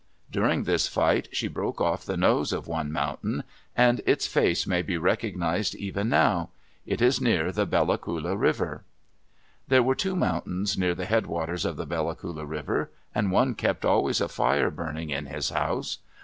During this fight she broke off the nose of one mountain, and its face may be recognized even now. It is near the Bella Coola River. There were two mountains near the headwaters of the Bella Coola River, and one kept always a fire burning in his house.